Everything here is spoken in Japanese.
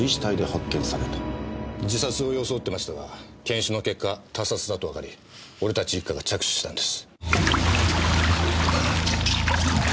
自殺を装ってましたが検視の結果他殺だとわかり俺たち一課が着手したんです。